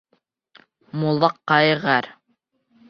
Муллаҡай ғәр.